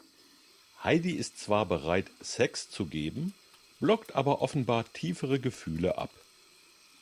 Heidi ist zwar bereit, Sex zu geben, blockt aber offenbar tiefere Gefühle ab.